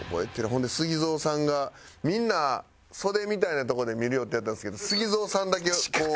ほんでＳＵＧＩＺＯさんがみんな袖みたいなとこで見る予定やったんですけどＳＵＧＩＺＯさんだけこう。